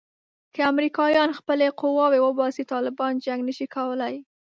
که امریکایان خپلې قواوې وباسي طالبان جنګ نه شي کولای.